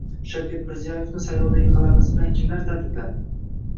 Shavkat Mirziyoyevni saylovdagi g‘alabasi bilan kimlar tabrikladi?